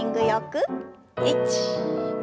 １２。